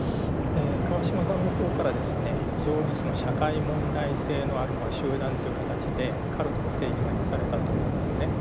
川島さんの方からですね非常に社会問題性のある集団という形でカルトの定義がなされたと思うんですよね。